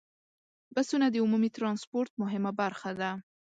بسونه د عمومي ټرانسپورت مهمه برخه ده.